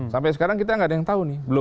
sampai sekarang kita nggak ada yang tahu nih